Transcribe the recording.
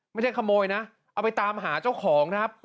ไม่ใช่ขโมยนะเอาไปตามหาเจ้าของครับ